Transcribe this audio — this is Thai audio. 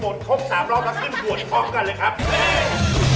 ไม่เห็นเหรอ